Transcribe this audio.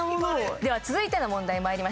では続いての問題まいりましょう。